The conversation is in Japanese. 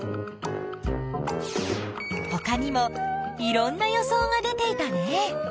ほかにもいろんな予想が出ていたね。